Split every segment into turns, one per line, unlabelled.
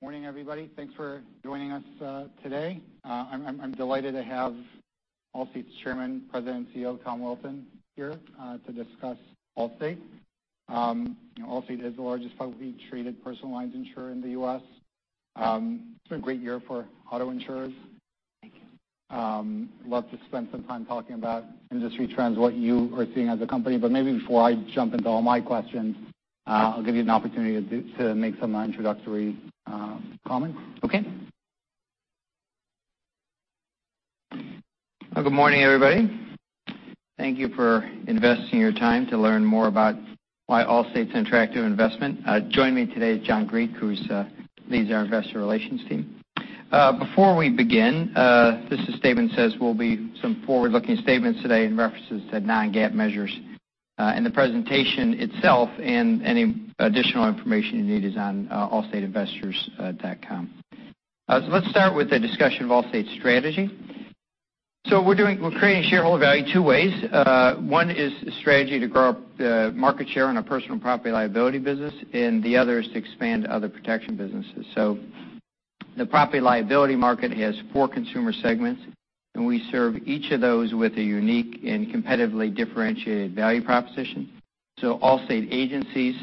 Morning, everybody. Thanks for joining us today. I'm delighted to have Allstate's Chairman, President, and CEO, Tom Wilson, here to discuss Allstate. Allstate is the largest publicly traded personal lines insurer in the U.S. It's been a great year for auto insurers.
Thank you.
Love to spend some time talking about industry trends, what you are seeing as a company. Maybe before I jump into all my questions, I'll give you an opportunity to make some introductory comments.
Okay. Good morning, everybody. Thank you for investing your time to learn more about why Allstate's an attractive investment. Joining me today is John Grieco, who leads our Investor Relations team. Before we begin, this statement says will be some forward-looking statements today and references to non-GAAP measures. The presentation itself and any additional information you need is on allstateinvestors.com. Let's start with a discussion of Allstate's strategy. We're creating shareholder value two ways. One is a strategy to grow our market share in our personal property liability business, and the other is to expand other protection businesses. The property liability market has four consumer segments, and we serve each of those with a unique and competitively differentiated value proposition. Allstate agencies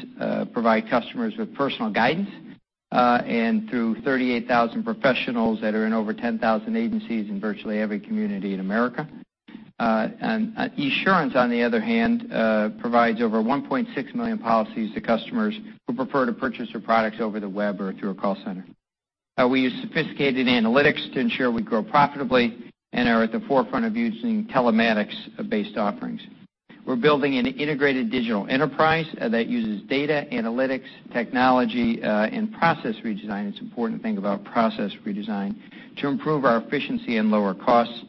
provide customers with personal guidance, and through 38,000 professionals that are in over 10,000 agencies in virtually every community in America. Esurance, on the other hand, provides over 1.6 million policies to customers who prefer to purchase their products over the web or through a call center. We use sophisticated analytics to ensure we grow profitably and are at the forefront of using telematics-based offerings. We're building an integrated digital enterprise that uses data analytics, technology, and process redesign, it's an important thing about process redesign, to improve our efficiency and lower costs.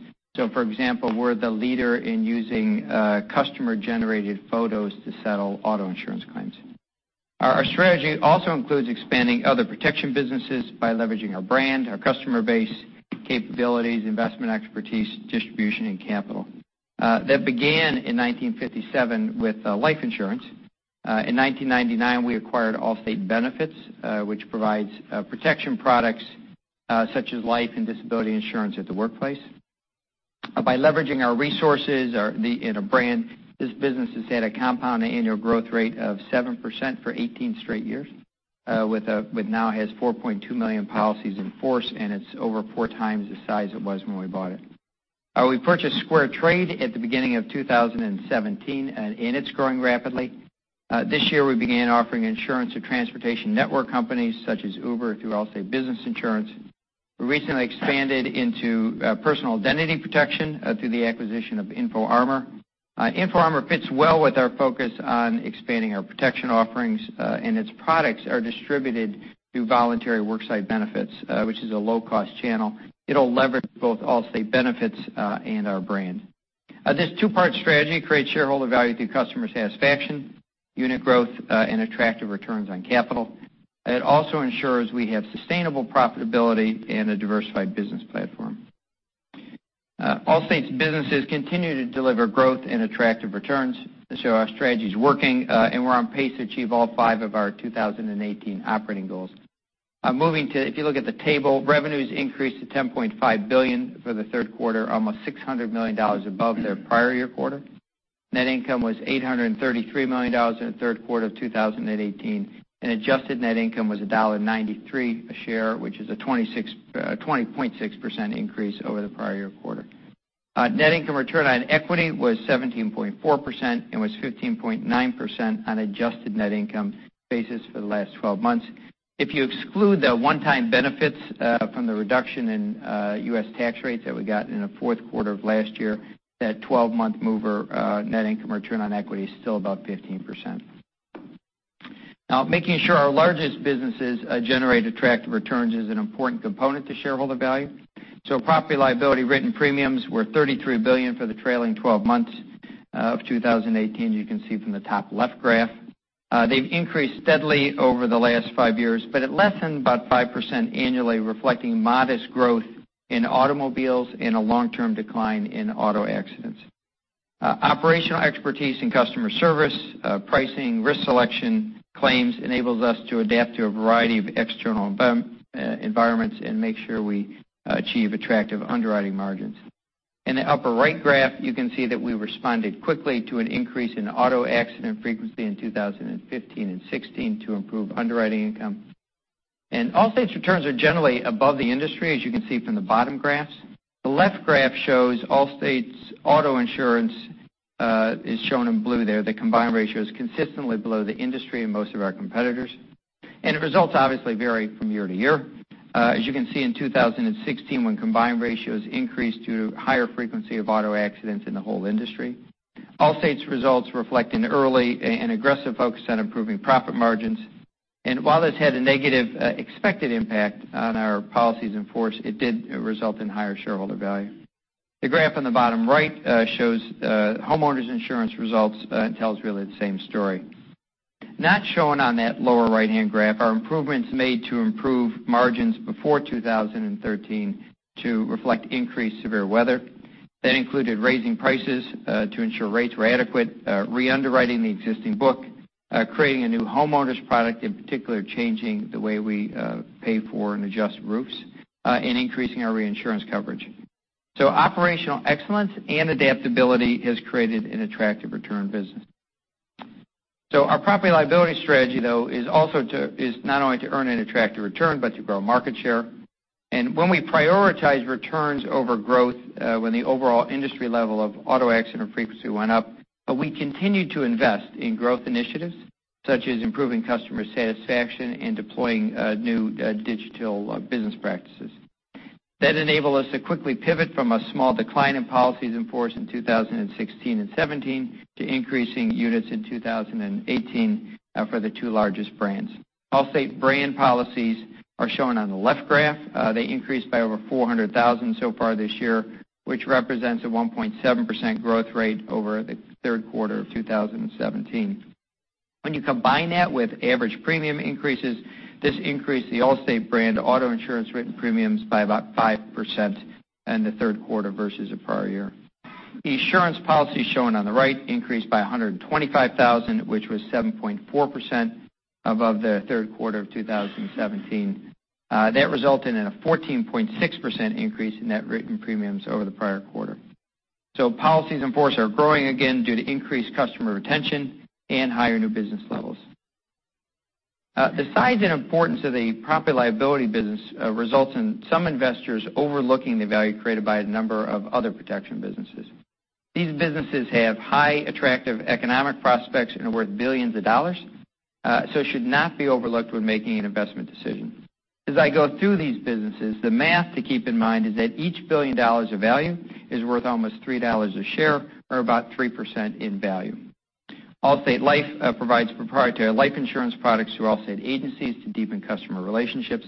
For example, we're the leader in using customer-generated photos to settle auto insurance claims. Our strategy also includes expanding other protection businesses by leveraging our brand, our customer base, capabilities, investment expertise, distribution, and capital. That began in 1957 with life insurance. In 1999, we acquired Allstate Benefits, which provides protection products such as life and disability insurance at the workplace. By leveraging our resources and our brand, this business has had a compound annual growth rate of 7% for 18 straight years, which now has 4.2 million policies in force, and it's over four times the size it was when we bought it. We purchased SquareTrade at the beginning of 2017, and it's growing rapidly. This year, we began offering insurance to transportation network companies such as Uber through Allstate Business Insurance. We recently expanded into personal identity protection through the acquisition of InfoArmor. InfoArmor fits well with our focus on expanding our protection offerings, and its products are distributed through voluntary worksite benefits, which is a low-cost channel. It'll leverage both Allstate Benefits and our brand. This two-part strategy creates shareholder value through customer satisfaction, unit growth, and attractive returns on capital. It also ensures we have sustainable profitability and a diversified business platform. Allstate's businesses continue to deliver growth and attractive returns to show our strategy is working, and we're on pace to achieve all five of our 2018 operating goals. If you look at the table, revenues increased to $10.5 billion for the third quarter, almost $600 million above their prior year quarter. Net income was $833 million in the third quarter of 2018, and adjusted net income was $1.93 a share, which is a 20.6% increase over the prior year quarter. Net income return on equity was 17.4% and was 15.9% on adjusted net income basis for the last 12 months. If you exclude the one-time benefits from the reduction in U.S. tax rates that we got in the fourth quarter of last year, that 12-month mover net income return on equity is still about 15%. Making sure our largest businesses generate attractive returns is an important component to shareholder value. Property liability written premiums were $33 billion for the trailing 12 months of 2018, as you can see from the top left graph. They've increased steadily over the last five years, but it lessened about 5% annually, reflecting modest growth in automobiles and a long-term decline in auto accidents. Operational expertise in customer service, pricing, risk selection, claims enables us to adapt to a variety of external environments and make sure we achieve attractive underwriting margins. In the upper right graph, you can see that we responded quickly to an increase in auto accident frequency in 2015 and 2016 to improve underwriting income. Allstate's returns are generally above the industry, as you can see from the bottom graphs. The left graph shows Allstate's auto insurance is shown in blue there. The combined ratio is consistently below the industry and most of our competitors. The results obviously vary from year to year. As you can see in 2016, when combined ratios increased due to higher frequency of auto accidents in the whole industry, Allstate's results reflect an early and aggressive focus on improving profit margins. While this had a negative expected impact on our policies in force, it did result in higher shareholder value. The graph on the bottom right shows homeowners insurance results and tells really the same story. Not shown on that lower right-hand graph are improvements made to improve margins before 2013 to reflect increased severe weather. That included raising prices to ensure rates were adequate, re-underwriting the existing book, creating a new homeowners product, in particular, changing the way we pay for and adjust roofs, and increasing our reinsurance coverage. Operational excellence and adaptability has created an attractive return business. Our property liability strategy, though, is not only to earn an attractive return, but to grow market share. When we prioritize returns over growth, when the overall industry level of auto accident frequency went up, we continued to invest in growth initiatives, such as improving customer satisfaction and deploying new digital business practices. That enabled us to quickly pivot from a small decline in policies in force in 2016 and 2017 to increasing units in 2018 for the two largest brands. Allstate brand policies are shown on the left graph. They increased by over 400,000 so far this year, which represents a 1.7% growth rate over the third quarter of 2017. When you combine that with average premium increases, this increased the Allstate brand auto insurance written premiums by about 5% in the third quarter versus the prior year. Esurance policy, shown on the right, increased by 125,000, which was 7.4% above the third quarter of 2017. That resulted in a 14.6% increase in net written premiums over the prior quarter. Policies in force are growing again due to increased customer retention and higher new business levels. The size and importance of the property and liability business results in some investors overlooking the value created by a number of other protection businesses. These businesses have high attractive economic prospects and are worth billions of dollars, should not be overlooked when making an investment decision. As I go through these businesses, the math to keep in mind is that each billion dollars of value is worth almost $3 a share, or about 3% in value. Allstate Life provides proprietary life insurance products to Allstate agencies to deepen customer relationships.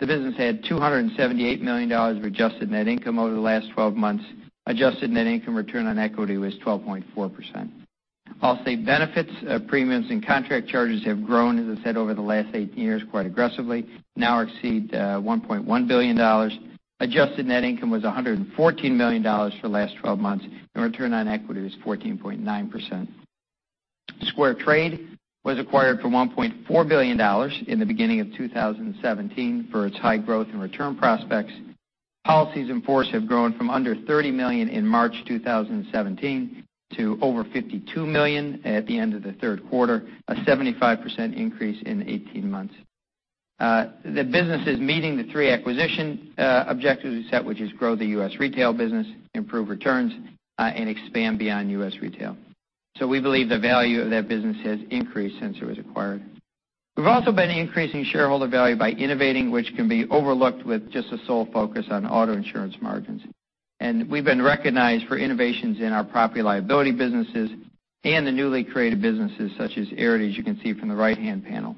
The business had $278 million of adjusted net income over the last 12 months. Adjusted net income return on equity was 12.4%. Allstate Benefits premiums and contract charges have grown, as I said, over the last 18 years quite aggressively, now exceed $1.1 billion. Adjusted net income was $114 million for the last 12 months, and return on equity was 14.9%. SquareTrade was acquired for $1.4 billion in the beginning of 2017 for its high growth and return prospects. Policies in force have grown from under $30 million in March 2017 to over $52 million at the end of the third quarter, a 75% increase in 18 months. The business is meeting the three acquisition objectives we set, which is grow the U.S. retail business, improve returns, and expand beyond U.S. retail. We believe the value of that business has increased since it was acquired. We've also been increasing shareholder value by innovating, which can be overlooked with just a sole focus on auto insurance margins. We've been recognized for innovations in our property and liability businesses and the newly created businesses, such as Arity, as you can see from the right-hand panel.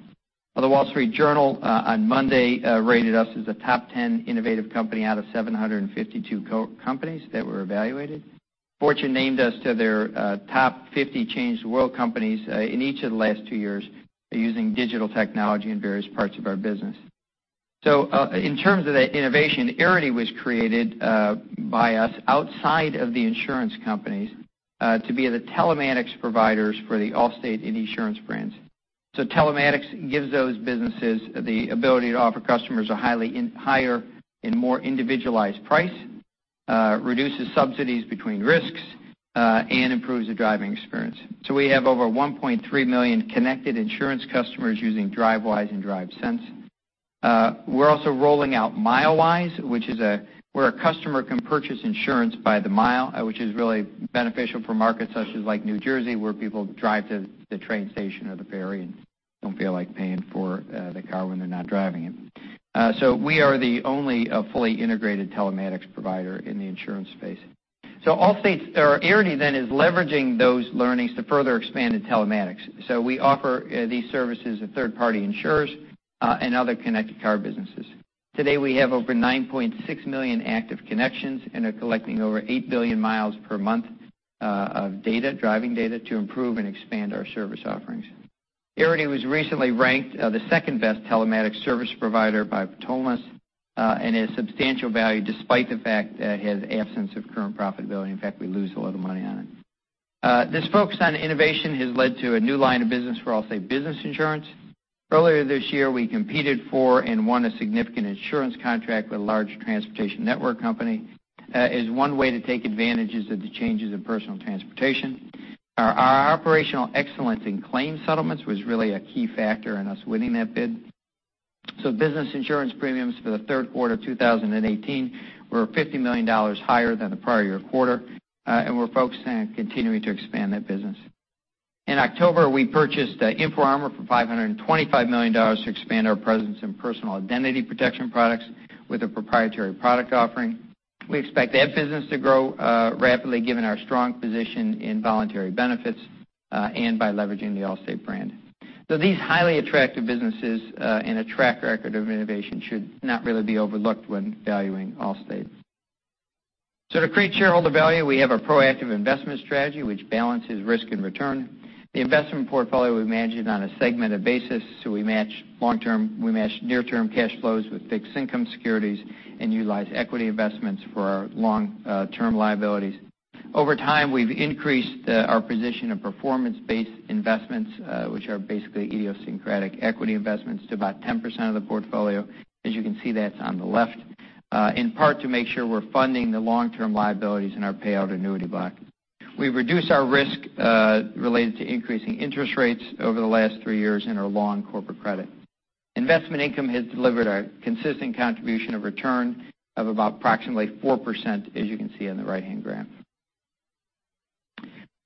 The Wall Street Journal on Monday rated us as a top 10 innovative company out of 752 companies that were evaluated. Fortune named us to their top 50 Change the World companies in each of the last two years using digital technology in various parts of our business. In terms of the innovation, Arity was created by us outside of the insurance companies to be the telematics providers for the Allstate and Esurance brands. Telematics gives those businesses the ability to offer customers a higher and more individualized price, reduces subsidies between risks, and improves the driving experience. We have over 1.3 million connected insurance customers using Drivewise and DriveSense. We're also rolling out Milewise, where a customer can purchase insurance by the mile, which is really beneficial for markets such as New Jersey, where people drive to the train station or the ferry and don't feel like paying for the car when they're not driving it. We are the only fully integrated telematics provider in the insurance space. Arity then is leveraging those learnings to further expand in telematics. We offer these services to third-party insurers and other connected car businesses. Today, we have over 9.6 million active connections and are collecting over 8 billion mi per month of driving data to improve and expand our service offerings. Arity was recently ranked the second-best telematics service provider by PTOLEMUS and has substantial value despite the fact that it has absence of current profitability. In fact, we lose a lot of money on it. This focus on innovation has led to a new line of business for Allstate Business Insurance. Earlier this year, we competed for and won a significant insurance contract with a large transportation network company. As one way to take advantages of the changes in personal transportation. Our operational excellence in claims settlements was really a key factor in us winning that bid. Business insurance premiums for the third quarter of 2018 were $50 million higher than the prior year quarter, we're focusing on continuing to expand that business. In October, we purchased InfoArmor for $525 million to expand our presence in personal identity protection products with a proprietary product offering. We expect that business to grow rapidly given our strong position in voluntary benefits and by leveraging the Allstate brand. These highly attractive businesses and a track record of innovation should not really be overlooked when valuing Allstate. To create shareholder value, we have a proactive investment strategy which balances risk and return. The investment portfolio we've managed on a segmented basis, we match near term cash flows with fixed income securities and utilize equity investments for our long-term liabilities. Over time, we've increased our position of performance-based investments, which are basically idiosyncratic equity investments, to about 10% of the portfolio, as you can see that's on the left, in part to make sure we're funding the long-term liabilities in our payout annuity bucket. We've reduced our risk related to increasing interest rates over the last three years in our long corporate credit. Investment income has delivered a consistent contribution of return of about approximately 4%, as you can see on the right-hand graph.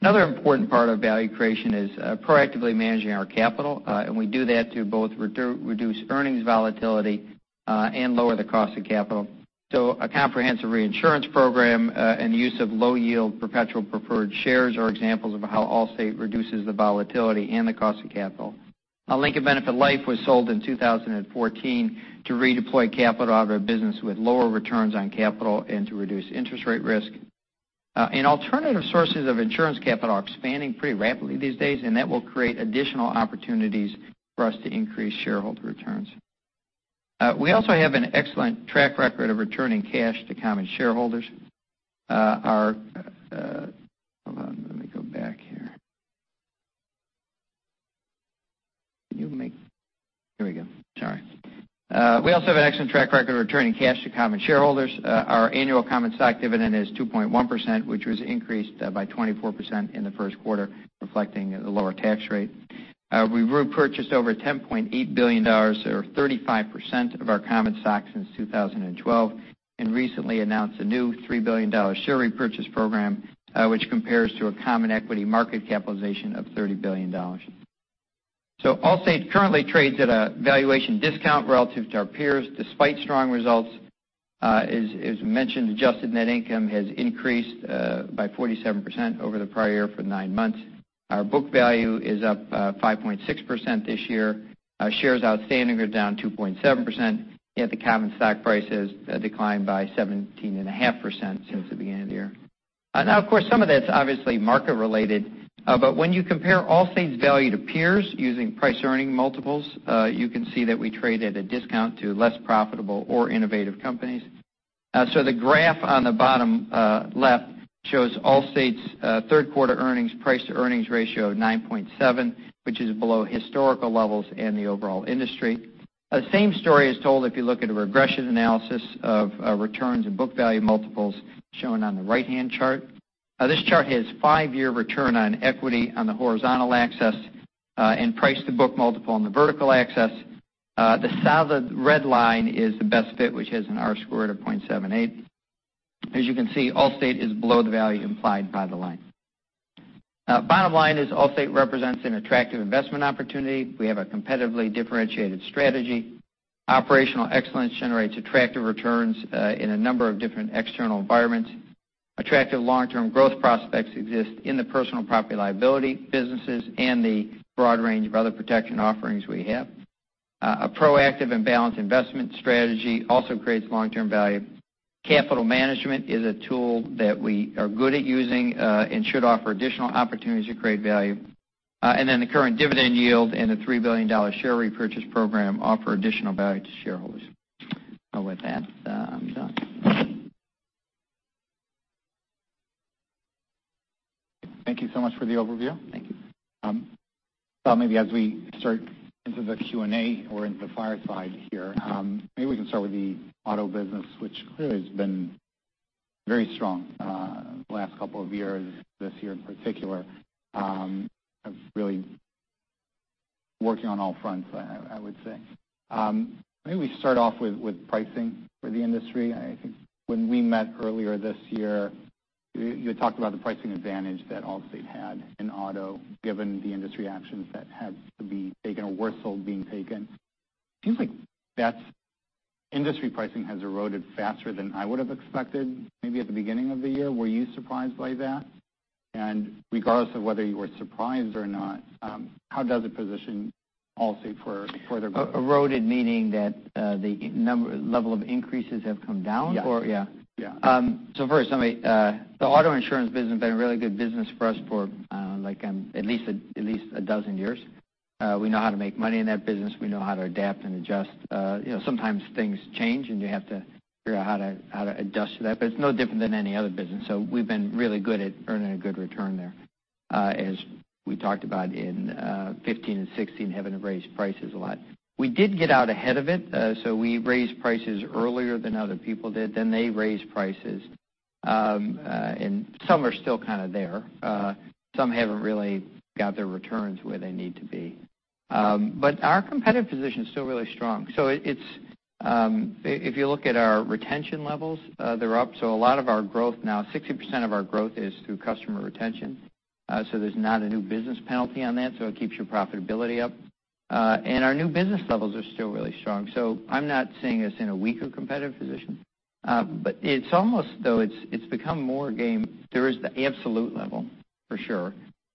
Another important part of value creation is proactively managing our capital. We do that to both reduce earnings volatility, and lower the cost of capital. A comprehensive reinsurance program, and the use of low-yield perpetual preferred shares are examples of how Allstate reduces the volatility and the cost of capital. Lincoln Benefit Life was sold in 2014 to redeploy capital out of a business with lower returns on capital and to reduce interest rate risk. Alternative sources of insurance capital are expanding pretty rapidly these days, and that will create additional opportunities for us to increase shareholder returns. We also have an excellent track record of returning cash to common shareholders. Hold on, let me go back here. Can you make Here we go. Sorry. We also have an excellent track record of returning cash to common shareholders. Our annual common stock dividend is 2.1%, which was increased by 24% in the first quarter, reflecting the lower tax rate. We've repurchased over $10.8 billion, or 35% of our common stock since 2012, and recently announced a new $3 billion share repurchase program, which compares to a common equity market capitalization of $30 billion. Allstate currently trades at a valuation discount relative to our peers, despite strong results. As we mentioned, adjusted net income has increased by 47% over the prior year for nine months. Our book value is up 5.6% this year. Shares outstanding are down 2.7%, yet the common stock price has declined by 17.5% since the beginning of the year. Of course, some of that's obviously market related. When you compare Allstate's value to peers using price earning multiples, you can see that we trade at a discount to less profitable or innovative companies. The graph on the bottom left shows Allstate's third quarter earnings price-to-earnings ratio of 9.7, which is below historical levels in the overall industry. The same story is told if you look at a regression analysis of returns and book value multiples shown on the right-hand chart. This chart has five-year return on equity on the horizontal axis, and price-to-book multiple on the vertical axis. The solid red line is the best fit, which has an R-squared of 0.78. As you can see, Allstate is below the value implied by the line. Bottom line is Allstate represents an attractive investment opportunity. We have a competitively differentiated strategy. Operational excellence generates attractive returns in a number of different external environments. Attractive long-term growth prospects exist in the personal property liability businesses and the broad range of other protection offerings we have. A proactive and balanced investment strategy also creates long-term value. Capital management is a tool that we are good at using, and should offer additional opportunities to create value. The current dividend yield and a $3 billion share repurchase program offer additional value to shareholders. With that, I'm done.
Thank you so much for the overview.
Thank you.
Maybe as we start into the Q&A or into the fireside here, maybe we can start with the auto business, which clearly has been very strong, last couple of years, this year in particular, has really working on all fronts, I would say. Maybe we start off with pricing for the industry. I think when we met earlier this year, you had talked about the pricing advantage that Allstate had in auto, given the industry actions that had to be taken or were still being taken. It seems like that industry pricing has eroded faster than I would have expected maybe at the beginning of the year. Were you surprised by that? Regardless of whether you were surprised or not, how does it position Allstate for the-
Eroded meaning that the level of increases have come down?
Yes.
Yeah.
Yeah.
The auto insurance business has been a really good business for us for at least 12 years. We know how to make money in that business. We know how to adapt and adjust. Sometimes things change, and you have to figure out how to adjust to that. It's no different than any other business. We've been really good at earning a good return there. As we talked about in 2015 and 2016, having to raise prices a lot. We did get out ahead of it. We raised prices earlier than other people did. They raised prices. Some are still kind of there. Some haven't really got their returns where they need to be. Our competitive position is still really strong. If you look at our retention levels, they're up. A lot of our growth now, 60% of our growth is through customer retention. There's not a new business penalty on that, so it keeps your profitability up. Our new business levels are still really strong. I'm not seeing us in a weaker competitive position. It's almost, though, it's become more a game. There is the absolute level, for sure,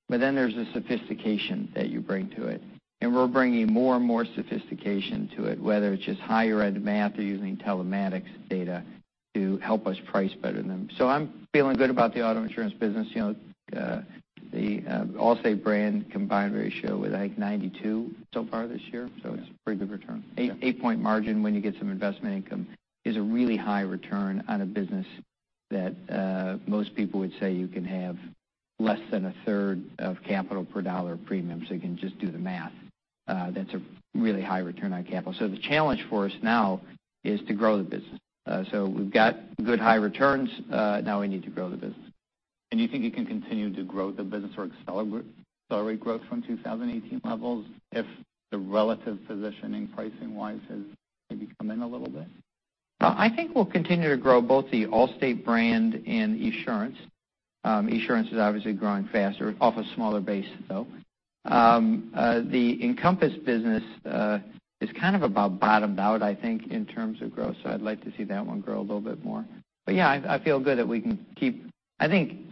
but then there's the sophistication that you bring to it, and we're bringing more and more sophistication to it, whether it's just higher ed math or using telematics data to help us price better than them. I'm feeling good about the auto insurance business. The Allstate brand combined ratio with, I think, 92% so far this year, so it's a pretty good return.
Yeah.
An 8-point margin when you get some investment income is a really high return on a business that most people would say you can have less than a third of capital per dollar of premium. You can just do the math. That's a really high return on capital. The challenge for us now is to grow the business. We've got good high returns, now we need to grow the business.
You think you can continue to grow the business or accelerate growth from 2018 levels if the relative positioning pricing wise has maybe come in a little bit?
I think we'll continue to grow both the Allstate brand and Esurance. Esurance is obviously growing faster, off a smaller base, though. The Encompass business is kind of about bottomed out, I think, in terms of growth, so I'd like to see that one grow a little bit more. Yeah, I feel good that we can keep-- I think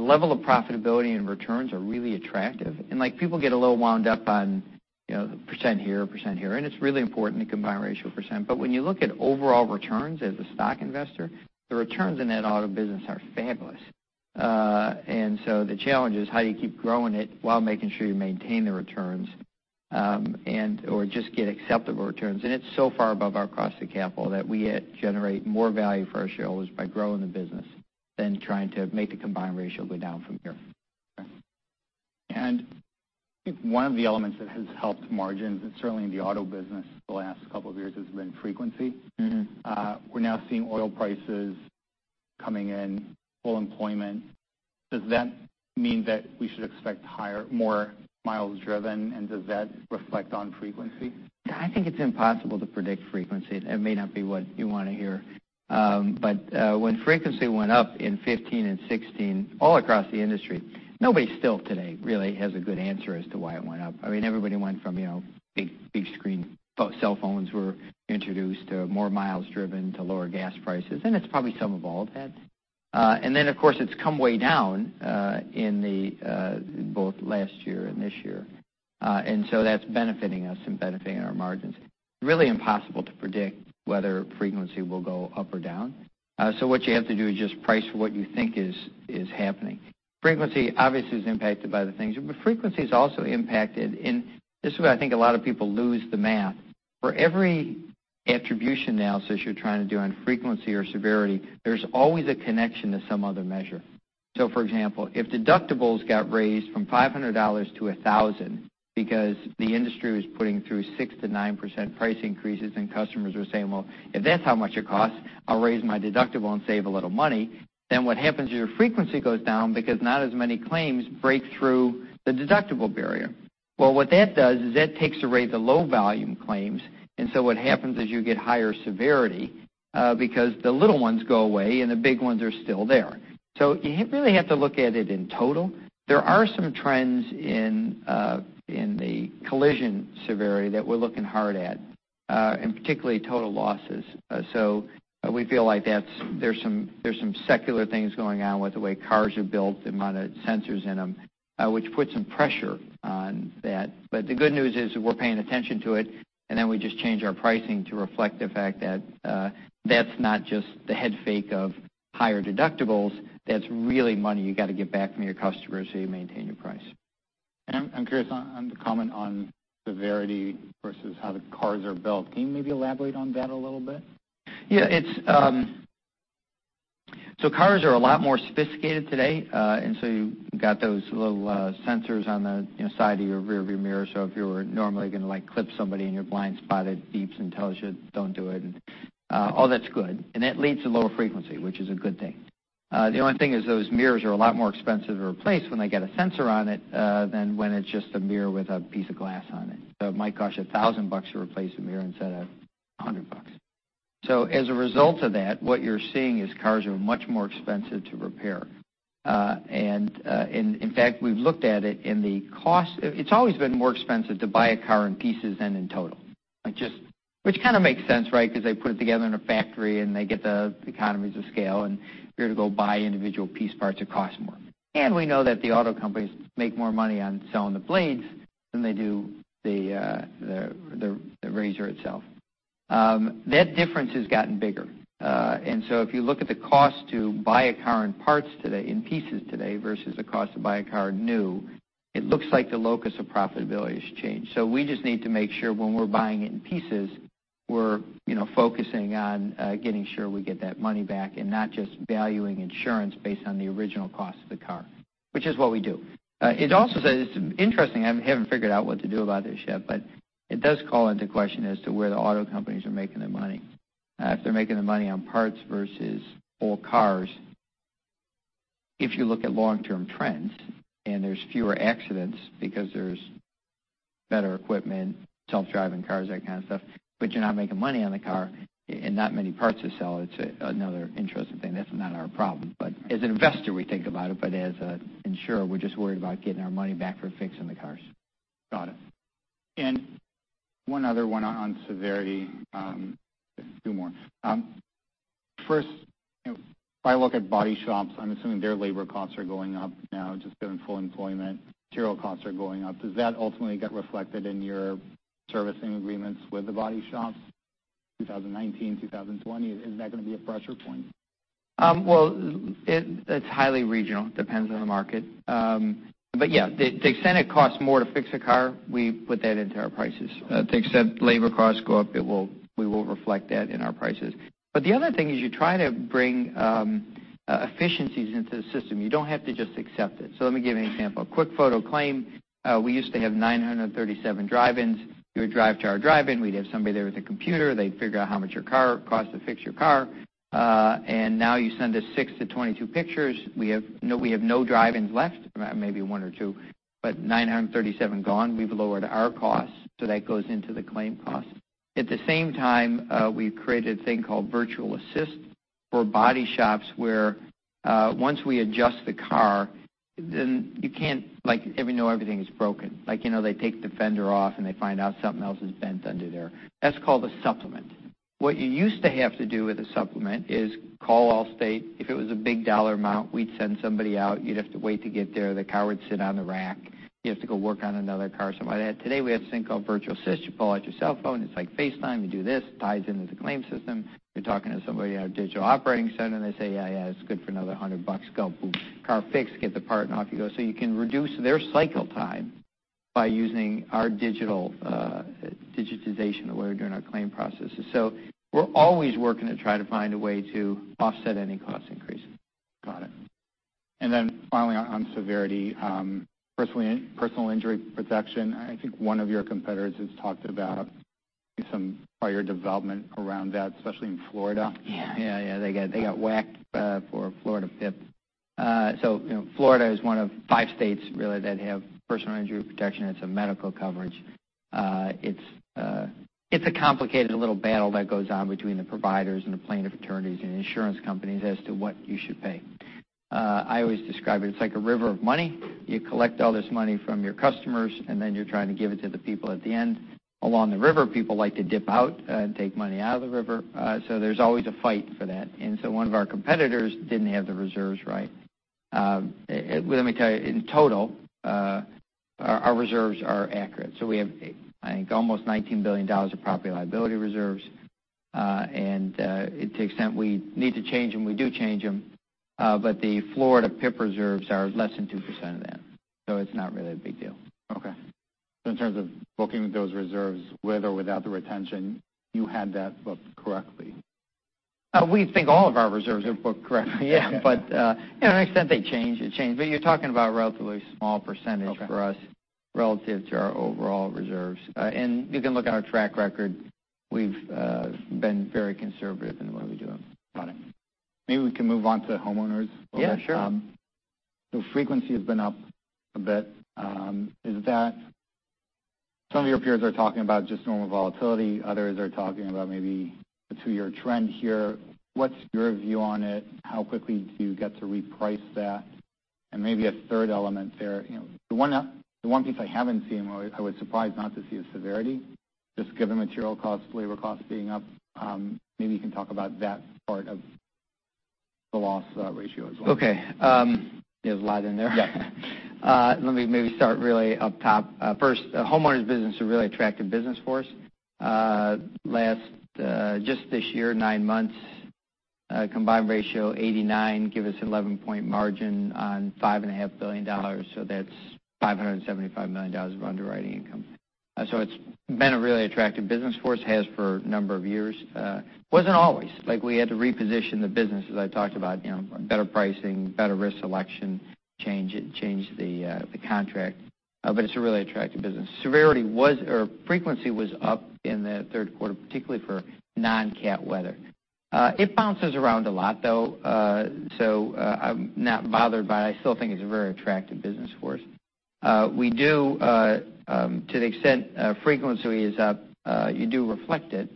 the level of profitability and returns are really attractive. People get a little wound up on the percent here, percent here, and it's really important, the combined ratio %. When you look at overall returns as a stock investor, the returns in that auto business are fabulous. The challenge is how do you keep growing it while making sure you maintain the returns, or just get acceptable returns. It's so far above our cost of capital that we generate more value for our shareholders by growing the business than trying to make the combined ratio go down from here.
Okay. I think one of the elements that has helped margins, and certainly in the auto business the last couple of years, has been frequency. We're now seeing oil prices coming in, full employment. Does that mean that we should expect more miles driven, and does that reflect on frequency?
I think it's impossible to predict frequency. It may not be what you want to hear. When frequency went up in 2015 and 2016, all across the industry, nobody still today really has a good answer as to why it went up. Everybody went from big screen cell phones were introduced, to more miles driven, to lower gas prices, it's probably some of all of that. Of course, it's come way down in both last year and this year. That's benefiting us and benefiting our margins. Really impossible to predict whether frequency will go up or down. What you have to do is just price what you think is happening. Frequency obviously is impacted by other things, but frequency is also impacted. This is where I think a lot of people lose the math. For every attribution analysis you're trying to do on frequency or severity, there's always a connection to some other measure. For example, if deductibles got raised from $500 to $1,000 because the industry was putting through 6%-9% price increases, and customers are saying, "Well, if that's how much it costs, I'll raise my deductible and save a little money," what happens is your frequency goes down because not as many claims break through the deductible barrier. Well, what that does is that takes away the low volume claims, what happens is you get higher severity because the little ones go away and the big ones are still there. You really have to look at it in total. There are some trends in the collision severity that we're looking hard at, particularly total losses. We feel like there's some secular things going on with the way cars are built, the amount of sensors in them, which put some pressure on that. The good news is we're paying attention to it, we just change our pricing to reflect the fact that that's not just the head fake of higher deductibles. That's really money you got to get back from your customers so you maintain your price.
I'm curious on the comment on severity versus how the cars are built. Can you maybe elaborate on that a little bit?
Yeah. Cars are a lot more sophisticated today, you've got those little sensors on the side of your rearview mirror, if you're normally going to clip somebody in your blind spot, it beeps and tells you, "Don't do it." All that's good. That leads to lower frequency, which is a good thing. The only thing is those mirrors are a lot more expensive to replace when they get a sensor on it than when it's just a mirror with a piece of glass on it. It might cost $1,000 to replace a mirror instead of $100. As a result of that, what you're seeing is cars are much more expensive to repair. In fact, we've looked at it in the cost. It's always been more expensive to buy a car in pieces than in total. Which kind of makes sense, right? Because they put it together in a factory, and they get the economies of scale, and if you're to go buy individual piece parts, it costs more. We know that the auto companies make more money on selling the blades than they do the razor itself. That difference has gotten bigger. If you look at the cost to buy a car in pieces today versus the cost to buy a car new, it looks like the locus of profitability has changed. We just need to make sure when we're buying it in pieces, we're focusing on getting sure we get that money back and not just valuing insurance based on the original cost of the car, which is what we do. It's interesting. I haven't figured out what to do about this yet, but it does call into question as to where the auto companies are making their money. If they're making their money on parts versus whole cars, if you look at long term trends and there's fewer accidents because there's better equipment, self-driving cars, that kind of stuff, but you're not making money on the car and not many parts to sell, it's another interesting thing. That's not our problem, but as an investor, we think about it. As an insurer, we're just worried about getting our money back for fixing the cars.
Got it. One other one on severity. Just two more. First, if I look at body shops, I'm assuming their labor costs are going up now just given full employment, material costs are going up. Does that ultimately get reflected in your- Servicing agreements with the body shops 2019, 2020, is that going to be a pressure point?
Well, it's highly regional. Depends on the market. To the extent it costs more to fix a car, we put that into our prices. To the extent labor costs go up, we will reflect that in our prices. The other thing is you try to bring efficiencies into the system. You don't have to just accept it. Let me give you an example. QuickFoto Claim, we used to have 937 drive-ins. You would drive to our drive-in, we'd have somebody there with a computer, they'd figure out how much it costs to fix your car. Now you send us 6 to 22 pictures. We have no drive-ins left, maybe one or two, but 937 gone. We've lowered our costs, that goes into the claim cost. At the same time, we've created a thing called Virtual Assist for body shops, where once we adjust the car, then you can't even know everything is broken. They take the fender off, and they find out something else is bent under there. That's called a supplement. What you used to have to do with a supplement is call Allstate. If it was a big dollar amount, we'd send somebody out. You'd have to wait to get there. The car would sit on the rack. You have to go work on another car, something like that. Today, we have this thing called Virtual Assist. You pull out your cell phone, it's like FaceTime. You do this, ties into the claim system. You're talking to somebody at our digital operating center, and they say, "Yeah, it's good for another $100. Go." Car fixed, get the part, and off you go. You can reduce their cycle time by using our digitalization the way we're doing our claim processes. We're always working to try to find a way to offset any cost increases.
Got it. Finally, on severity, personal injury protection, I think one of your competitors has talked about some prior development around that, especially in Florida.
Yeah. They got whacked for Florida PIP. Florida is one of five states really that have personal injury protection. It's a medical coverage. It's a complicated little battle that goes on between the providers and the plaintiff attorneys and the insurance companies as to what you should pay. I always describe it's like a river of money. You collect all this money from your customers, you're trying to give it to the people at the end. Along the river, people like to dip out and take money out of the river. There's always a fight for that. One of our competitors didn't have the reserves right. Well, let me tell you, in total, our reserves are accurate. We have, I think, almost $19 billion of property liability reserves. To the extent we need to change them, we do change them. The Florida PIP reserves are less than 2% of that, it's not really a big deal.
Okay. In terms of booking those reserves with or without the retention, you had that booked correctly?
We think all of our reserves are booked correctly, yeah. To an extent, they change. You're talking about a relatively small percentage for us relative to our overall reserves. You can look at our track record. We've been very conservative in the way we do them.
Got it. Maybe we can move on to homeowners a little bit.
Yeah, sure.
Frequency has been up a bit. Some of your peers are talking about just normal volatility. Others are talking about maybe a two-year trend here. What's your view on it? How quickly do you get to reprice that? Maybe a third element there. The one piece I haven't seen, where I was surprised not to see, is severity, just given material costs, labor costs being up. Maybe you can talk about that part of the loss ratio as well.
Okay. There's a lot in there.
Yeah.
Let me maybe start really up top. First, homeowners business is a really attractive business for us. Just this year, 9 months, combined ratio 89% give us an 11-point margin on $5.5 billion, that's $575 million of underwriting income. It's been a really attractive business for us, has for a number of years. It wasn't always. We had to reposition the business, as I talked about, better pricing, better risk selection, change the contract. It's a really attractive business. Frequency was up in the third quarter, particularly for non-cat weather. It bounces around a lot, though. I'm not bothered by it. I still think it's a very attractive business for us. To the extent frequency is up, you do reflect it.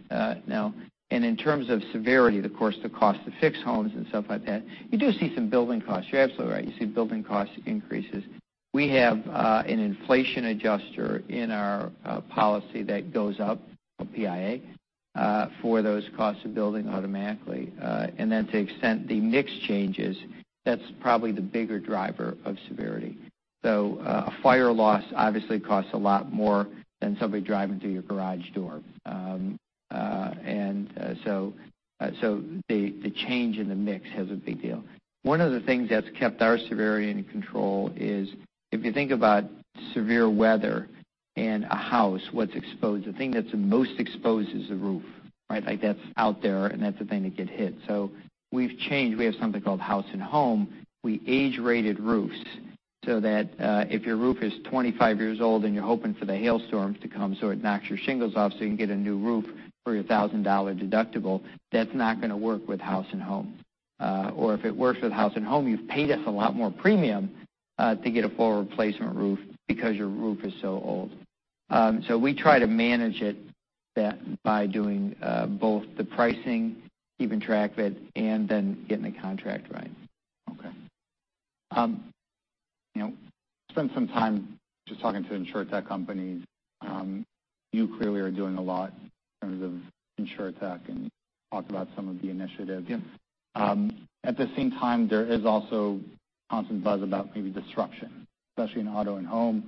In terms of severity, of course, the cost to fix homes and stuff like that, you do see some building costs. You're absolutely right. You see building cost increases. We have an inflation adjuster in our policy that goes up, a PIA, for those costs of building automatically. To the extent the mix changes, that's probably the bigger driver of severity. A fire loss obviously costs a lot more than somebody driving through your garage door. The change in the mix has a big deal. One of the things that's kept our severity in control is if you think about severe weather and a house, what's exposed, the thing that's most exposed is the roof. That's out there. That's the thing that could hit. We've changed. We have something called House & Home. We age-rated roofs so that if your roof is 25 years old and you're hoping for the hailstorms to come so it knocks your shingles off, so you can get a new roof for your $1,000 deductible, that's not going to work with House & Home. If it works with House & Home, you've paid us a lot more premium to get a full replacement roof because your roof is so old. We try to manage it by doing both the pricing, keeping track of it, and then getting the contract right.
Okay. I spent some time just talking to Insurtech companies. You clearly are doing a lot in terms of Insurtech and talked about some of the initiatives.
Yeah.
At the same time, there is also constant buzz about maybe disruption, especially in auto and home.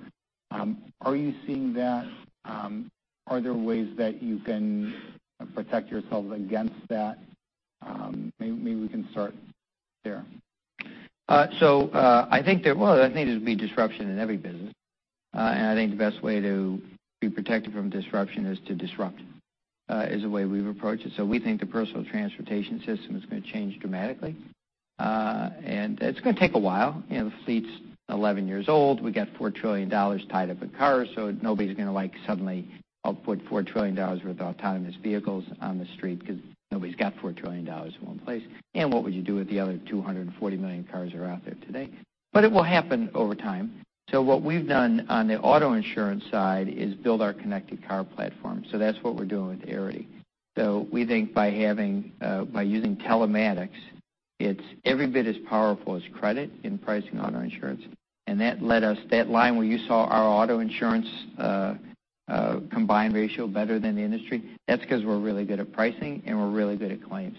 Are you seeing that? Are there ways that you can protect yourselves against that? Maybe we can start there.
Well, I think there'd be disruption in every business. I think the best way to be protected from disruption is to disrupt, is the way we've approached it. We think the personal transportation system is going to change dramatically. It's going to take a while. The fleet's 11 years old. We got $4 trillion tied up in cars, so nobody's going to suddenly put $4 trillion worth of autonomous vehicles on the street because nobody's got $4 trillion in one place. What would you do with the other 240 million cars that are out there today? It will happen over time. What we've done on the auto insurance side is build our connected car platform. That's what we're doing with Arity. We think by using telematics, it's every bit as powerful as credit in pricing on our insurance. That line where you saw our auto insurance combined ratio better than the industry, that's because we're really good at pricing, and we're really good at claims.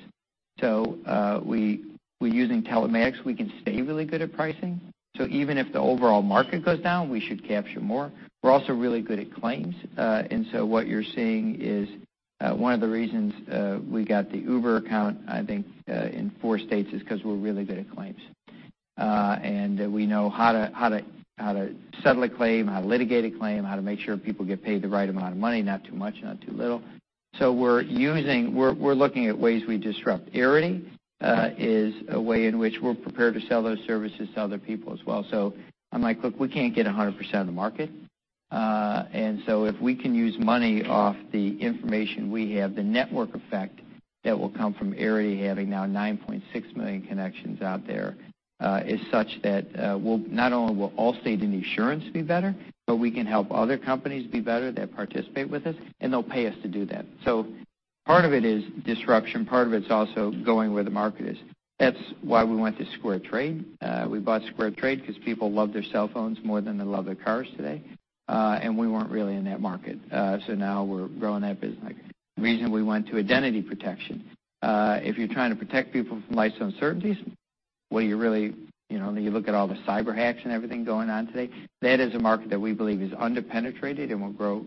We're using telematics. We can stay really good at pricing, so even if the overall market goes down, we should capture more. We're also really good at claims. What you're seeing is one of the reasons we got the Uber account, I think, in four states is because we're really good at claims. We know how to settle a claim, how to litigate a claim, how to make sure people get paid the right amount of money, not too much, not too little. We're looking at ways we disrupt. Arity is a way in which we're prepared to sell those services to other people as well. I'm like, "Look, we can't get 100% of the market." If we can use money off the information we have, the network effect that will come from Arity having now 9.6 million connections out there is such that not only will Allstate and the insurance be better, but we can help other companies be better that participate with us, and they'll pay us to do that. Part of it is disruption, part of it's also going where the market is. That's why we went to SquareTrade. We bought SquareTrade because people love their cell phones more than they love their cars today. We weren't really in that market. Now we're growing that business. The reason we went to identity protection. If you're trying to protect people from life's uncertainties, when you look at all the cyber hacks and everything going on today, that is a market that we believe is under-penetrated and will grow.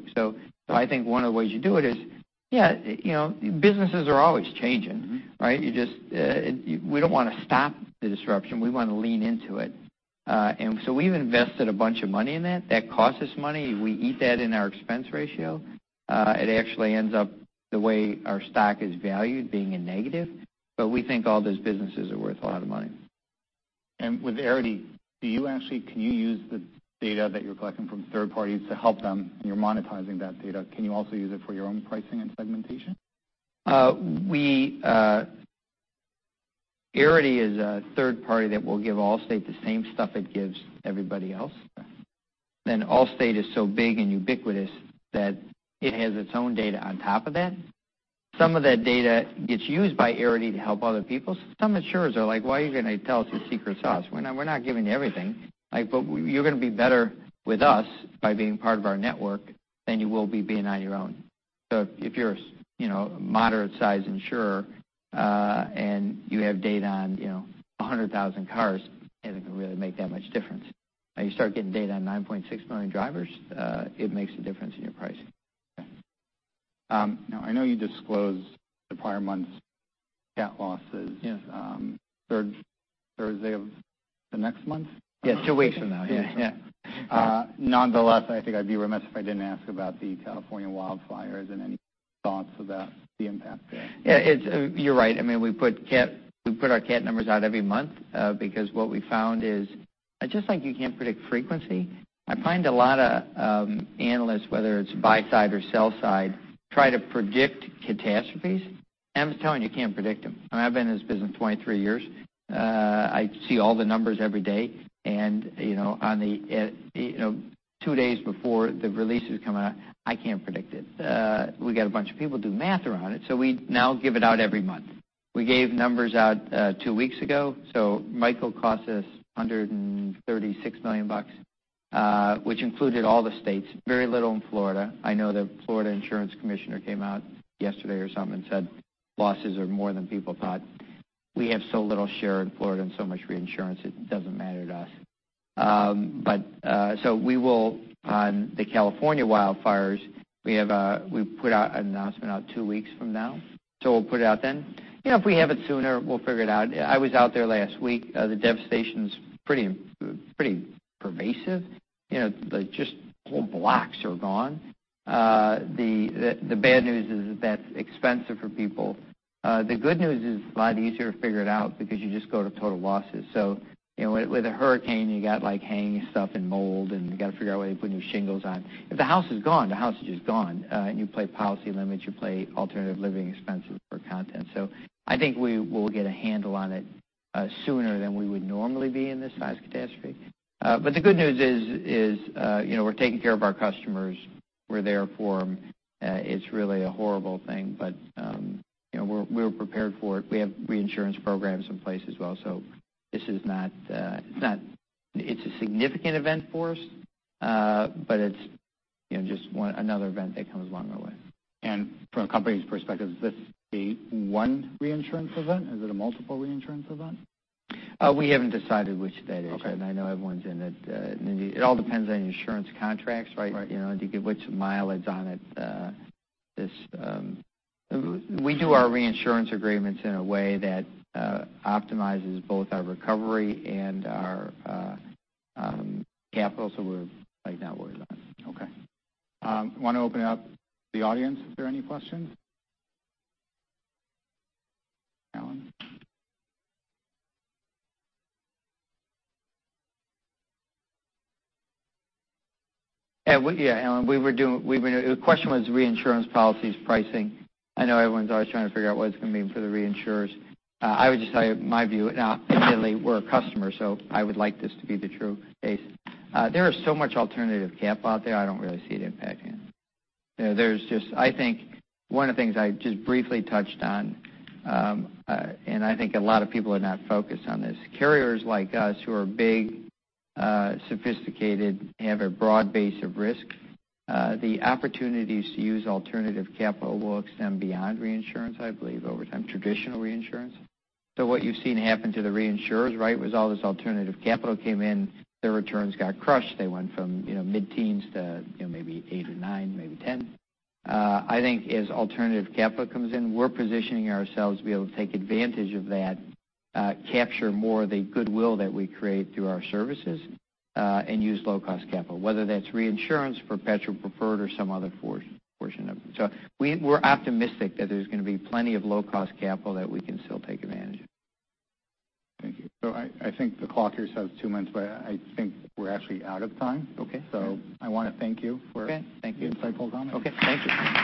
I think one of the ways you do it is, yeah, businesses are always changing, right? We don't want to stop the disruption. We want to lean into it. We've invested a bunch of money in that. That costs us money. We eat that in our expense ratio. It actually ends up the way our stock is valued, being a negative, we think all those businesses are worth a lot of money.
With Arity, can you use the data that you're collecting from third parties to help them? You're monetizing that data. Can you also use it for your own pricing and segmentation?
Arity is a third party that will give Allstate the same stuff it gives everybody else. Allstate is so big and ubiquitous that it has its own data on top of that. Some of that data gets used by Arity to help other people. Some insurers are like, "Why are you going to tell us your secret sauce?" We're not giving you everything. You're going to be better with us by being part of our network than you will be being on your own. If you're a moderate size insurer, and you have data on 100,000 cars, it isn't going to really make that much difference. You start getting data on 9.6 million drivers, it makes a difference in your pricing.
Okay. I know you disclose the prior month's cat losses.
Yes.
Thursday of the next month?
Yes, two weeks from now.
Yeah. Nonetheless, I think I'd be remiss if I didn't ask about the California wildfires and any thoughts about the impact there.
Yeah, you're right. We put our cat numbers out every month because what we found is just like you can't predict frequency, I find a lot of analysts, whether it's buy side or sell side try to predict catastrophes. I'm just telling you can't predict them. I've been in this business 23 years. I see all the numbers every day, and two days before the releases come out, I can't predict it. We got a bunch of people do math around it, so we now give it out every month. We gave numbers out two weeks ago. Michael cost us $136 million, which included all the states, very little in Florida. I know the Florida insurance commissioner came out yesterday or something and said losses are more than people thought. We have so little share in Florida and so much reinsurance, it doesn't matter to us. We will, on the California wildfires, we put out an announcement out two weeks from now. We'll put it out then. If we have it sooner, we'll figure it out. I was out there last week. The devastation's pretty pervasive. Just whole blocks are gone. The bad news is that's expensive for people. The good news is it's a lot easier to figure it out because you just go to total losses. With a hurricane, you got hanging stuff and mold, and you got to figure out where you put new shingles on. If the house is gone, the house is just gone. You play policy limits, you play alternative living expenses for content. I think we will get a handle on it sooner than we would normally be in this size catastrophe. The good news is we're taking care of our customers. We're there for them. It's really a horrible thing, but we're prepared for it. We have reinsurance programs in place as well. It's a significant event for us, but it's just another event that comes along our way.
From a company's perspective, is this a one reinsurance event? Is it a multiple reinsurance event?
We haven't decided which that is.
Okay.
I know everyone's in it. It all depends on your insurance contracts, right?
Right.
To get what's mileage on it. We do our reinsurance agreements in a way that optimizes both our recovery and our capital, we're not worried about it.
I want to open it up to the audience. Is there any questions? Alan.
Yeah, Alan. The question was reinsurance policies pricing. I know everyone's always trying to figure out what it's going to mean for the reinsurers. I would just tell you my view, and ultimately we're a customer, I would like this to be the true case. There is so much alternative cap out there, I don't really see it impacting. I think one of the things I just briefly touched on, and I think a lot of people are not focused on this, carriers like us who are big, sophisticated, have a broad base of risk, the opportunities to use alternative capital will extend beyond reinsurance, I believe, over time, traditional reinsurance. What you've seen happen to the reinsurers, right, was all this alternative capital came in, their returns got crushed. They went from mid-teens to maybe eight or nine, maybe 10. I think as alternative capital comes in, we're positioning ourselves to be able to take advantage of that, capture more of the goodwill that we create through our services, and use low-cost capital, whether that's reinsurance, perpetual preferred, or some other portion of it. We're optimistic that there's going to be plenty of low-cost capital that we can still take advantage of.
Thank you. I think the clock here says two minutes, but I think we're actually out of time.
Okay.
I want to thank you for-
Okay. Thank you.
the insightful comments.
Okay. Thank you.